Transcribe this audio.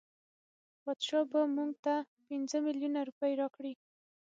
بادشاه به مونږ ته پنځه میلیونه روپۍ راکړي.